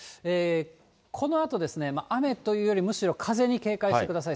このあとですね、雨というよりむしろ風に警戒してください。